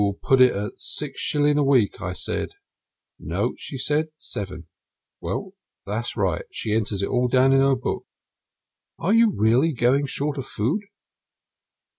'Put it at six shillings a week,' I said. 'No,' she said, 'seven.' Well, that's right she enters it all down in her book." "You are really going short of food?"